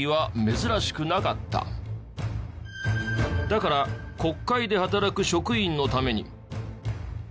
だから国会で働く職員のために。